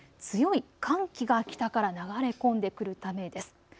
強い寒気が北から流れ込んでくるためです。